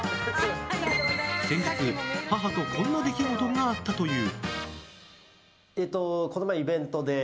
先日、母とこんな出来事があったという。